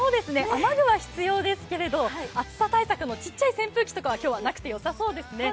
雨具は必要ですけれど暑さ対策のちっちゃい扇風機とかは今日はなくてよさそうですね。